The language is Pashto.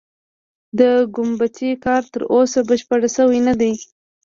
د ګومبتې کار تر اوسه بشپړ شوی نه دی.